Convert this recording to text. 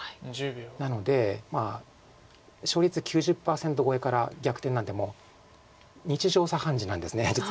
なので勝率９０％超えから逆転なんてもう日常茶飯事なんです実は。